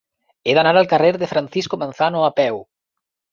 He d'anar al carrer de Francisco Manzano a peu.